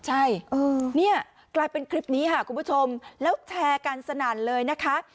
ใช่เนี่ยกลายเป็นคลิปนี้ค่ะคุณผู้ชมแล้วแชร์กันสนั่นเลยนะคะ